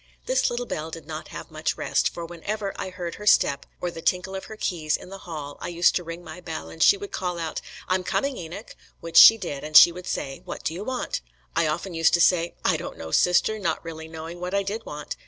This little bell did not have much rest, for whenever I heard her step or the tinkle of her keys in the hall I used to ring my bell, and she would call out, 'I'm coming, Enoch,' which she did, and would say, 'What do you want?' I often used to say, 'I don't know, Sister,' not really knowing what I did want.